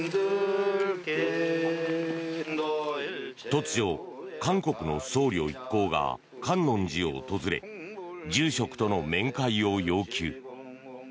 突如、韓国の僧侶一行が観音寺を訪れ住職との面会を要求。